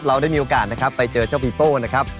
เราได้มีโอกาสนะครับไปเจอเจ้าปีโป้นะครับ